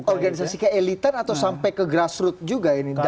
organisasi keelitan atau sampai ke grassroot juga ini